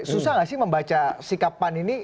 susah nggak sih membaca sikap pan ini